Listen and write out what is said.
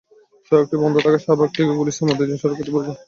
সড়কটি বন্ধ থাকায় শাহবাগ থেকে গুলিস্তান-মতিঝিল সড়কে তীব্র যানজট লেগে রয়েছে।